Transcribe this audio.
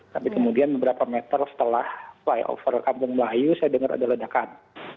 tapi kemudian beberapa meter setelah flyover kampung melayu saya dengar ada ledakan